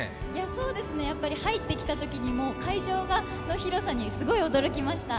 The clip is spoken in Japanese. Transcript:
そうですね、入ってきたときに会場の広さにすごい驚きました。